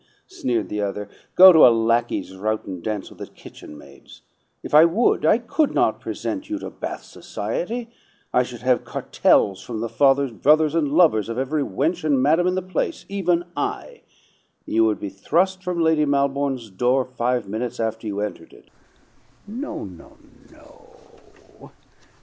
sneered the other. "Go to a lackeys' rout and dance with the kitchen maids. If I would, I could not present you to Bath society. I should have cartels from the fathers, brothers, and lovers of every wench and madam in the place, even I. You would be thrust from Lady Malbourne's door five minutes after you entered it." "No, no, no!"